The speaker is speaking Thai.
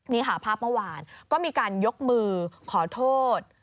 นี่ค่ะภาพเมื่อวานก็มีการยกมือขอโทษ